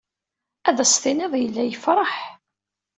Ad as-tiniḍ yella yefṛeḥ.